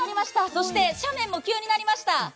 そして斜面も急になりました。